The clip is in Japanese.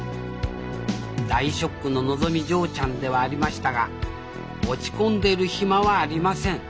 大ショックののぞみ嬢ちゃんではありましたが落ち込んでいる暇はありません。